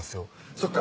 そっか